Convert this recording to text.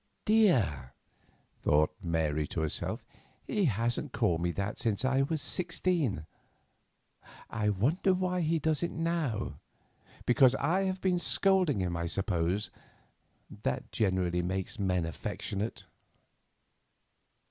"'Dear,'" thought Mary to herself; "he hasn't called me that since I was sixteen. I wonder why he does it now? Because I have been scolding him, I suppose; that generally makes men affectionate."